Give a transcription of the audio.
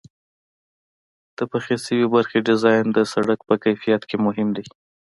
د پخې شوې برخې ډیزاین د سرک په کیفیت کې مهم دی